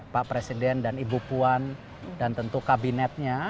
pak presiden dan ibu puan dan tentu kabinetnya